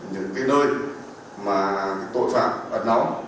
những cái nơi mà những tội phạm ẩn nóng